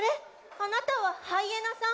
あなたはハイエナさん？